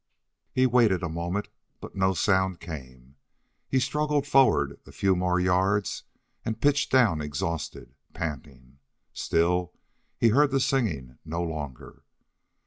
He waited a moment, but no sound came. He struggled forward a few more yards and pitched down exhausted, panting. Still he heard the singing no longer.